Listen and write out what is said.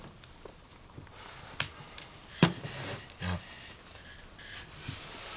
あっ。